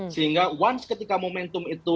sehingga once ketika momentum itu